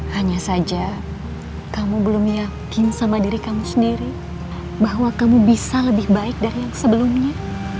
hanya saja kamu belum yakin sama diri kamu sendiri bahwa kamu bisa lebih baik dari yang sebelumnya